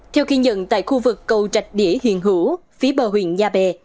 theo khi nhận tại khu vực cầu rạch đĩa huyện hữu phía bờ huyện nhà bè